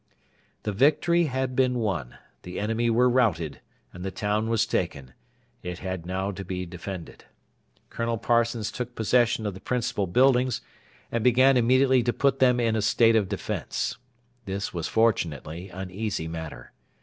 The victory had been won, the enemy were routed, and the town was taken: it had now to be defended. Colonel Parsons took possession of the principal buildings, and began immediately to put them in a state of defence. This was fortunately an easy matter.